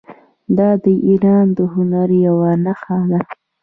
دا د ایران د هنر یوه نښه ده.